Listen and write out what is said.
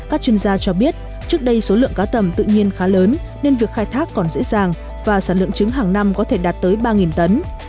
các chuyên gia cho biết trước đây số lượng cá tầm tự nhiên khá lớn nên việc khai thác còn dễ dàng và sản lượng trứng hàng năm có thể đạt tới ba tấn